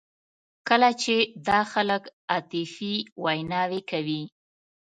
کله چې دا خلک عاطفي ویناوې کوي.